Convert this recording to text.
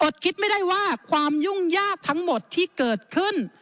คิดไม่ได้ว่าความยุ่งยากทั้งหมดที่เกิดขึ้น